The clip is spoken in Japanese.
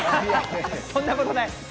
そんなことない。